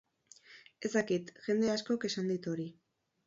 Ez dakit, jende askok esan dit hori.